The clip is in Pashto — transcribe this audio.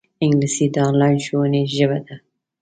انګلیسي د انلاین ښوونې ژبه ده